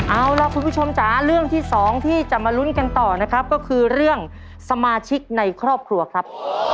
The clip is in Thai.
เอาล่ะคุณผู้ชมจ๋าเรื่องที่สองที่จะมาลุ้นกันต่อนะครับก็คือเรื่องสมาชิกในครอบครัวครับ